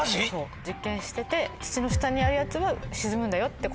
実験してて土の下にあるやつは沈むんだよって。